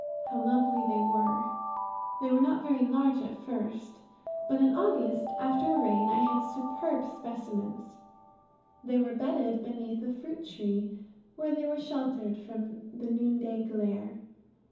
How lovely they were! They were not very large at first, but in August after a rain, I had superb specimens. They were bedded beneath a fruit tree, where they were sheltered from the noonday glare.